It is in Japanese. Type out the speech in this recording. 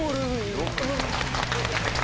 よっ！